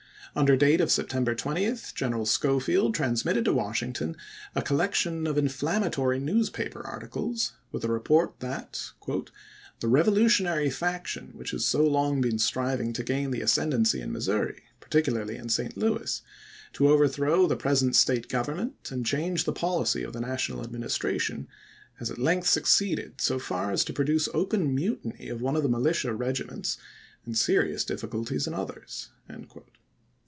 Under date of September 20, General Schofield transmitted to Washington a collection of inflammatory newspaper articles, with a report that :" The revolutionary faction which has so long been striving to gain the ascendancy in Missouri, particularly in St. Louis, to overthrow the present State government and change the policy of the National Administration, has at length succeeded, so far as to produce open mutiny of one of the militia regiments and serious difficulties in others."